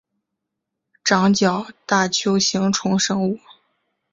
长角大锹形虫生物。